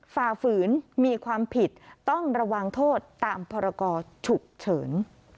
ฝ่าฝืนมีความผิดต้องระวังโทษตามพรกรฉุกเฉิน